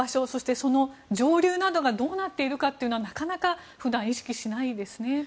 その上流などがどうなっているかというのはなかなか普段意識しないですね。